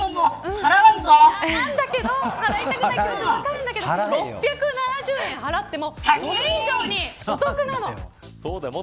払いたくない気持ちは分かるんだけど６７０円払ってもそれ以上にお得なの。